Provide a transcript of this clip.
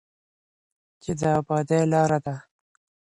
چې د ابادۍ لاره ده.